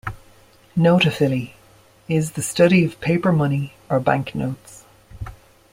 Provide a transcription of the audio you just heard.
Notaphily: is the study of paper money or banknotes.